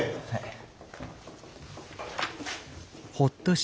はい。